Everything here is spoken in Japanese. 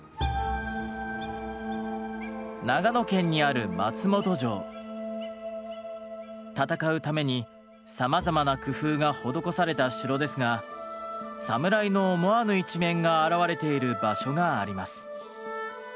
長野県にある戦うためにさまざまな工夫が施された城ですがサムライの思わぬ一面が表れている場所があります。